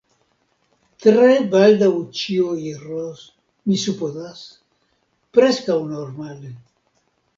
tre baldaŭ ĉio iros, mi supozas, preskaŭ normale.